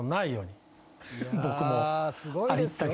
僕も。